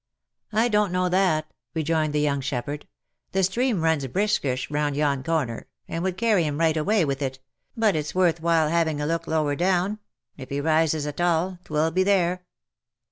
" I don't know that," rejoined the young shepherd." " The stream runs brisk ish round yon corner, and would carry him right away with it ; but it's worth while having a look lower down. If he rises at all, 'twill be there."